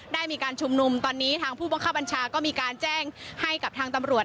ได้มีการชุมนุมตอนนี้ทางผู้บังคับบัญชาก็มีการแจ้งให้กับทางตำรวจ